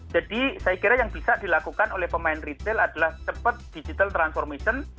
jadi saya kira yang bisa dilakukan oleh pemain retail adalah cepat digital transformation